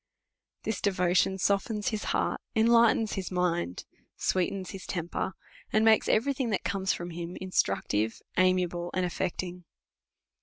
This devotion softens his heart, enlightens his mind, sweetens his temper, and makes every thing that comes from hini instructive, amiable, and afiecting.